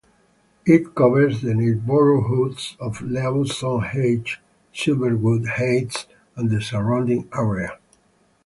It covers the neighborhoods of Lawson Heights, Silverwood Heights and the surrounding area.